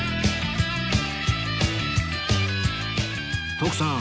徳さん